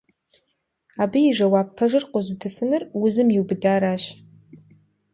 Абы и жэуап пэжыр къозытыфынур узым иубыдаращ.